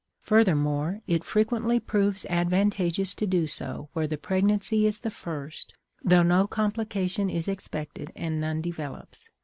Furthermore, it frequently proves advantageous to do so where the pregnancy is the first, though no complication is expected and none develops.